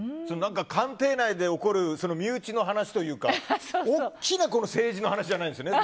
官邸内で起こる身内の話というか大きな政治の話じゃないんですよね。